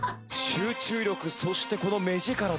集中力そしてこの目力です。